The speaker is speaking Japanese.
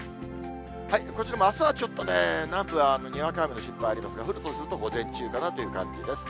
こちらもあすはちょっとね、南部はにわか雨の心配ありますが、降るとすると午前中かなという感じです。